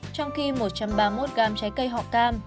trong khi một trăm ba mươi một gam trái cây họ cam